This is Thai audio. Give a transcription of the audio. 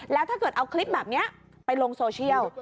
แล้วถ้าเกิดเอาคลิปแบบนี้ไปลงโซเชียล